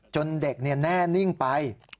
จนเด็กแน่นิ่งไป